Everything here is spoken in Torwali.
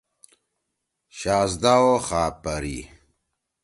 شاھزدہ او خاپَری: